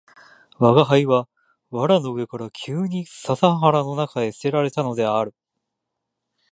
吾輩は藁の上から急に笹原の中へ棄てられたのである